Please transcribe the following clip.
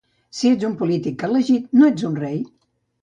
Si ets un polític elegit, no ets un rei.